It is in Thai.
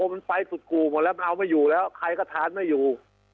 มันไปสุดกู่หมดแล้วมันเอาไม่อยู่แล้วใครก็ทานไม่อยู่